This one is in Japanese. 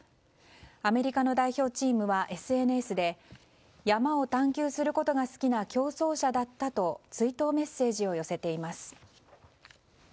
アメリカの代表チームはＳＮＳで山を探求することが好きな競争者だったと追悼メッセージを寄せています。